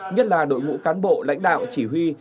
nhất là đội ngũ cán bộ lãnh đạo chỉ huy